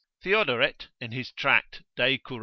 Theodoret in his tract, De cur.